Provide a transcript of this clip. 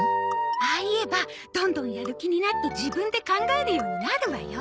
ああ言えばどんどんやる気になって自分で考えるようになるわよ。